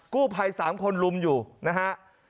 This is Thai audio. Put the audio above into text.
กู้ภัย๓คนลุมอยู่นะฮะ